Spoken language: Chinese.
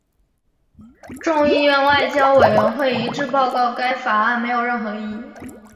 众议院外交委员会一致报告该法案没有任何意义。